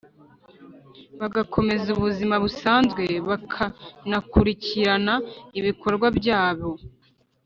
Bagakomeza ubuzima busanzwe banakurikirana ibikorwa byabo